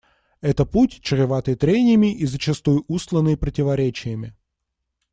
Это путь, чреватый трениями и зачастую устланный противоречиями.